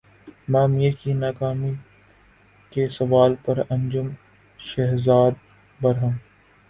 ماہ میر کی ناکامی کے سوال پر انجم شہزاد برہم